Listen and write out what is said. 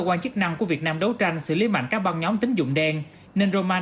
quan chức năng của việt nam đấu tranh xử lý mạnh các ban nhóm tính dụng đen nên roman